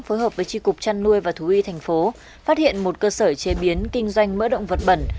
phối hợp với tri cục trăn nuôi và thú y tp phát hiện một cơ sở chế biến kinh doanh mỡ động vật bẩn